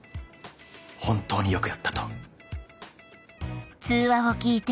本当によくやったと。